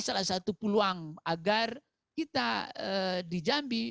salah satu peluang agar kita di jambi